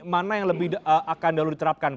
mana yang lebih akan dahulu diterapkan